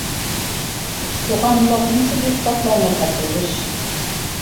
Туғанлыҡ нисек иҫбатланырға тейеш?